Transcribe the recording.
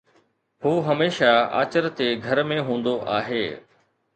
هو هميشه آچر تي گهر ۾ هوندو آهي.